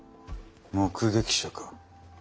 目撃者か。